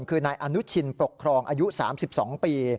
คือนายอนุชินปกครองอายุ๓๒ปี